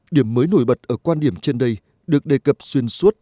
điểm mới nổi bật ở quan điểm trên đây được đề cập xuyên suốt